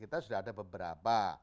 kita sudah ada beberapa